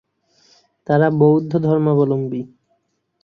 তারা বৌদ্ধ ধর্মাবলম্বী।